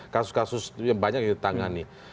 kasus kasus yang banyak ditangani